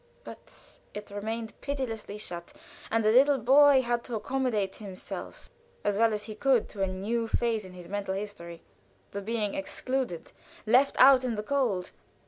But it remained pitilessly shut, and the little boy had to accommodate himself as well as he could to a new phase in his mental history the being excluded left out in the cold.